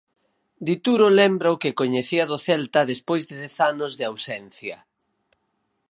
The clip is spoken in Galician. Dituro lembra o que coñecía do Celta despois de dez anos de ausencia.